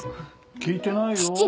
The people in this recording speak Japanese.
聞いてないよ？